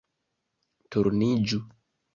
- Turniĝu